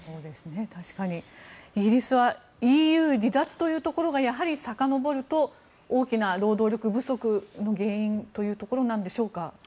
イギリスはＥＵ離脱というところがやはり、さかのぼると大きな労働力不足の原因というところなんでしょうか。